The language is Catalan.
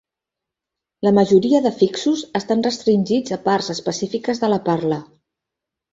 La majoria d'afixos estan restringits a parts específiques de la parla.